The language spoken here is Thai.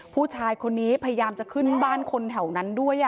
ผู้ชายคนนี้พยายามจะขึ้นบ้านคนแถวนั้นด้วย